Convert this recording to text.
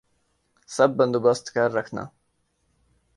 سب بندوبست کر رکھنا